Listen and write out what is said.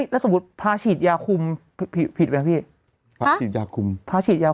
แล้วสมมุติพระฉีดยาคุมผิดไหมพี่